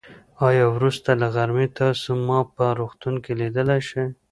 آيا وروسته له غرمې تاسو ما په روغتون کې ليدای شئ.